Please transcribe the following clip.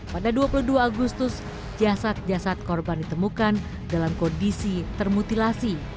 pada dua puluh dua agustus jasad jasad korban ditemukan dalam kondisi termutilasi